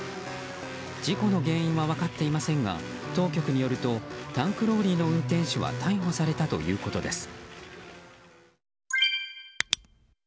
事故の原因は分かっていませんが当局によるとタンクローリーの運転手は逮捕されたということです。